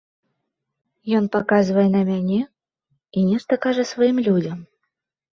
Ён паказвае на мяне і нешта кажа сваім людзям.